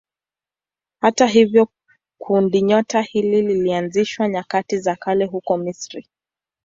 Hata hivyo kundinyota hili lilianzishwa nyakati za kale huko Misri.